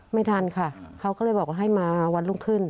ไม่ทันค่ะเขาก็เลยบอกว่าให้มาวันรุ่งขึ้น